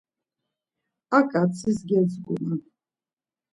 Ar ǩatzis gedzguman.